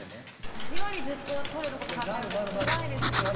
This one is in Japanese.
８割ずっとトイレのこと考えるってつらいですよね。